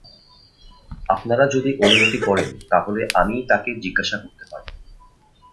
আপনারা যদি অনুমতি করেন তা হলে আমিই তাকে জিজ্ঞাসা করতে পারি।